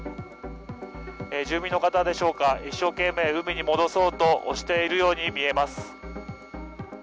住民の方でしょうか、一生懸命、海に戻そうと、押しているように見えます。